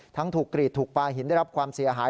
ถูกกรีดถูกปลาหินได้รับความเสียหาย